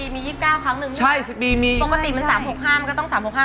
มัน๒๘สี่ปีมี๒๙ครั้งหนึ่ง